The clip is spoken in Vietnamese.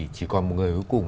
chỉ còn một người cuối cùng